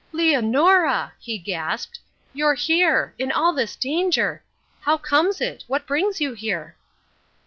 "Leonora!" he gasped. "You here! In all this danger! How comes it? What brings you here?"